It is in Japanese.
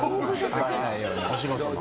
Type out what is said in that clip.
お仕事の。